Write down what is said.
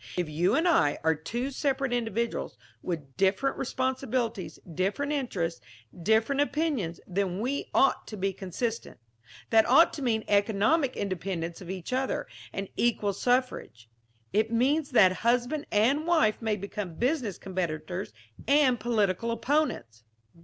If you and I are two separate individuals, with different responsibilities, different interests, different opinions, then we ought to be consistent; that ought to mean economic independence of each other, and equal suffrage; it means that husband and wife may become business competitors and political opponents.